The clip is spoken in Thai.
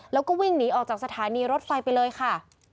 แล้วก็วิ่งหนีออกจากสถานีรถไฟไปเลยค่ะ